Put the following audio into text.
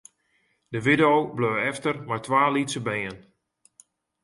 De widdo bleau efter mei twa lytse bern.